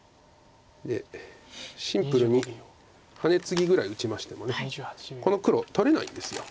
でシンプルにハネツギぐらい打ちましてもこの黒取れないんです。